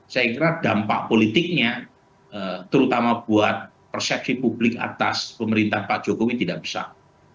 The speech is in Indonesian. saya kira dampak politiknya terutama buat persepsi publik atas pemerintah pak jokowi tidak besar